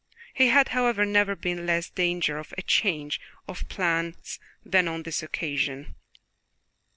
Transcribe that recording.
He had, however, never been in less danger of a change of plans than on this occasion.